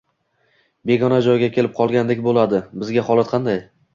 – begona joyga kelib qolgandek bo‘ladi. Bizda holat qanday?